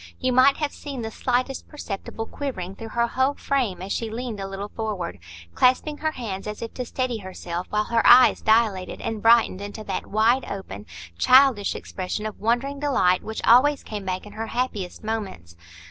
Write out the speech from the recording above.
You might have seen the slightest perceptible quivering through her whole frame as she leaned a little forward, clasping her hands as if to steady herself; while her eyes dilated and brightened into that wide open, childish expression of wondering delight which always came back in her happiest moments.